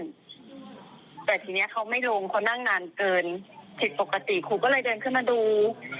แต่ทีนี้เขาไม่ลงเขานั่งนานเกินผิดปกติครูก็เลยเดินขึ้นมาดู